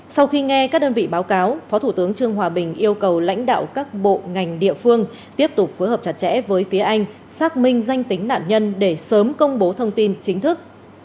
sau khi nghe các đơn vị báo cáo phó thủ tướng trương hòa bình yêu cầu lãnh đạo các bộ ngành địa phương tiếp tục phối hợp chặt chẽ với phía anh xác minh danh tính nạn nhân để sớm công bố thông tin chính thức